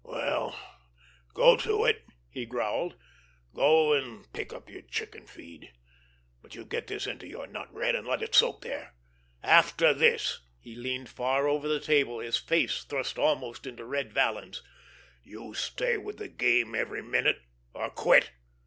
"Well, go to it!" he growled. "Go and pick up your chicken feed! But you get this into your nut, Red, and let it soak there. After this"—he leaned far over the table, his face thrust almost into Red Vallon's—"you stay with the game every minute, or quit!